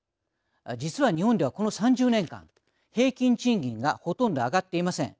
実は日本ではこの３０年間平均賃金がほとんど上がっていません。